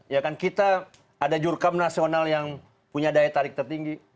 ya kan kita ada jurkam nasional yang punya daya tarik tertinggi